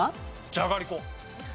じゃがりこ。